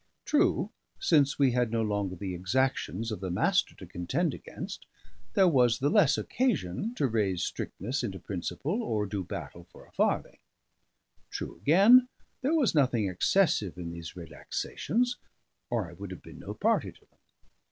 True, since we had no longer the exactions of the Master to contend against, there was the less occasion to raise strictness into principle or do battle for a farthing. True, again, there was nothing excessive in these relaxations, or I would have been no party to them.